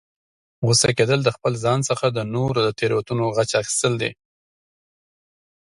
غوسه کیدل، د خپل ځان څخه د نورو د تیروتنو د غچ اخستل دي